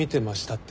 って。